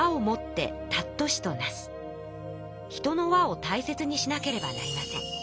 「人の和をたいせつにしなければなりません。